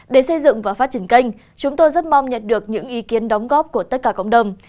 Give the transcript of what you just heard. để xây dựng và phát triển kênh chúng tôi rất mong nhận được những ý kiến đóng góp của tất cả cộng đồng